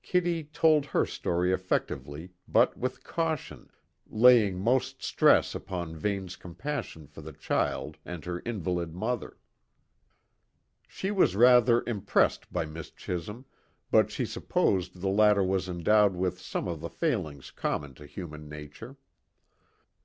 Kitty told her story effectively, but with caution, laying most stress upon Vane's compassion for the child and her invalid mother. She was rather impressed by Miss Chisholm, but she supposed the latter was endowed with some of the failings common to human nature.